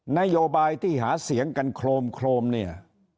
นโยบายที่หาเสียงกันโครมโครมเนี่ย